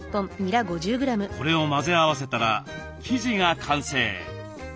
これを混ぜ合わせたら生地が完成。